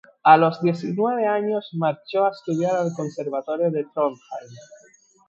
A los diecinueve años marchó a estudiar al conservatorio de Trondheim.